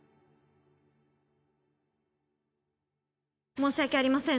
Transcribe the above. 申し訳ありません